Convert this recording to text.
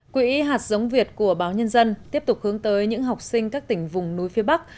quỹ hạt giống việt của báo nhân dân tiếp tục hướng tới những học sinh các tỉnh vùng núi phía bắc